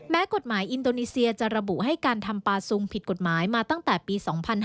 แม้กฏหมายอินโดนิเซียจะระบว่าให้การทำปลาสุงภาพผิดกฏหมายมาตั้งแต่ปี๒๕๒๐